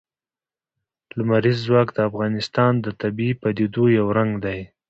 لمریز ځواک د افغانستان د طبیعي پدیدو یو رنګ دی.